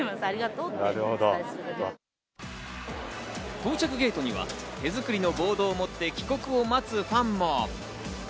到着ゲートには手作りのボードを持って帰国を待つファンも。